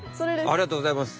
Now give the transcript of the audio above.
ありがとうございます。